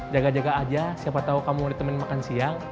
jaga jaga aja siapa tahu kamu ditemen makan siang